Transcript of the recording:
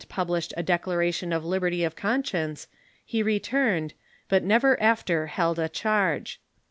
published a declaration of liberty of conscience, he returned, but never after held a charge.